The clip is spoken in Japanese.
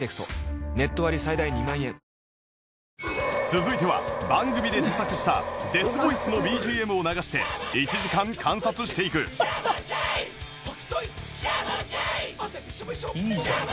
続いては番組で自作したデスボイスの ＢＧＭ を流して１時間観察していくいいじゃん。